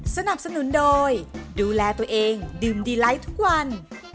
สนับสนุนโดยดูแลตัวเองดื่มดีไลท์ทุกวัน